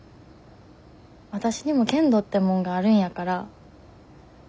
わたしにも限度ってもんがあるんやから。